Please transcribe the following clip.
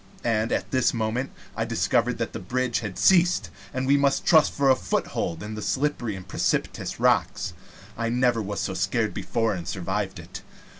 And at this moment I discovered that the bridge had ceased, and we must trust for a foothold to the slippery and precipitous rocks. I never was so scared before and survived it.